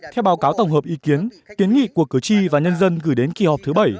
theo báo cáo tổng hợp ý kiến kiến nghị của cử tri và nhân dân gửi đến kỳ họp thứ bảy